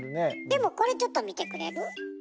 でもこれちょっと見てくれる？